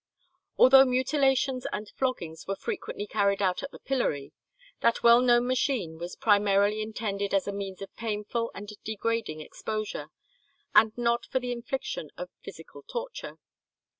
Although mutilations and floggings were frequently carried out at the pillory, that well known machine was primarily intended as a means of painful and degrading exposure, and not for the infliction of physical torture.